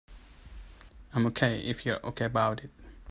I'm OK if you're OK about it.